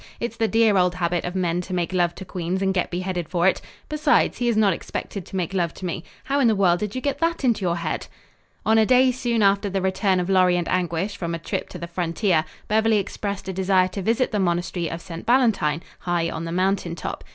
It's the dear old habit of men to make love to queens and get beheaded for it. Besides, he is not expected to make love to me. How in the world did you get that into your head?" On a day soon after the return of Lorry and Anguish from a trip to the frontier, Beverly expressed a desire to visit the monastery of St. Valentine, high on the mountain top.